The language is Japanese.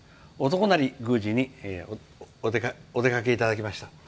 男成宮司にお出かけいただきました。